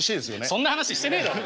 そんな話してねえだろ！